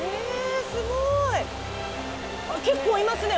すごい！結構いますね